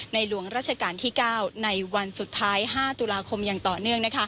หลวงราชการที่๙ในวันสุดท้าย๕ตุลาคมอย่างต่อเนื่อง